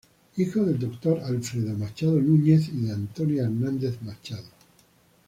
Hijo del doctor Alfredo Machado Núñez y de Antonia Hernández Machado.